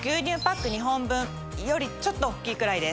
よりちょっと大っきいくらいです。